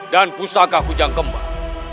dan pusaka kujang kembal